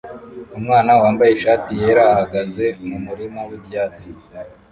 Umwana wambaye ishati yera ahagaze mumurima wibyatsi